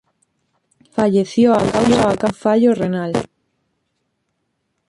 Falleció a causa de un fallo renal.